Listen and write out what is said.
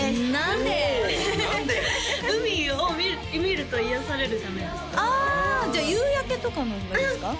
海を見ると癒やされるじゃないですかあじゃあ夕焼けとかの方がいいんですか？